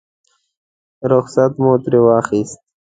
رخصت مو ترې واخیست.